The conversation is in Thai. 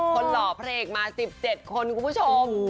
คนหล่อเพลงมา๑๗คนคุณผู้ชม